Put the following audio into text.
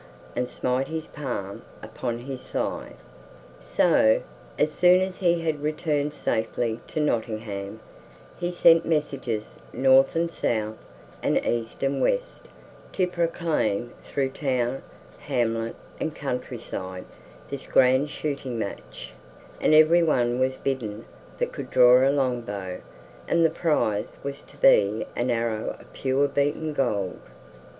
and smite his palm upon his thigh. So, as soon as he had returned safely to Nottingham, he sent messengers north and south, and east and west, to proclaim through town, hamlet, and countryside, this grand shooting match, and everyone was bidden that could draw a longbow, and the prize was to be an arrow of pure beaten gold.